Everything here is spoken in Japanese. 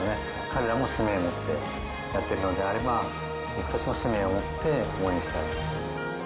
彼らも使命を持ってやってるのであれば僕たちも使命を持って応援したい。